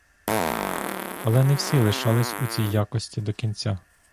Але не всі лишались у цій якості до кінця.